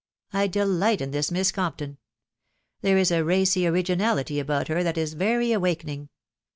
I delight in this Mies Comp ton. There is a racy originality about her that is vary awakening.